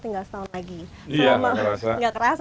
tinggal setahun lagi selama nggak kerasa